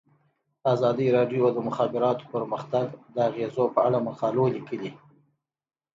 ازادي راډیو د د مخابراتو پرمختګ د اغیزو په اړه مقالو لیکلي.